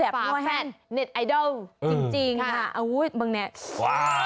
ฝาแฝดเน็ตไอดล์จริงค่ะอุ้ยมึงเนี่ยว้าว